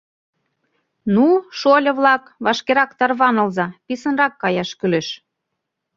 Ну, шольо-влак, вашкерак тарванылза, писынрак каяш кӱлеш.